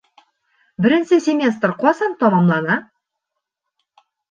Беренсе семестр ҡасан тамамлана?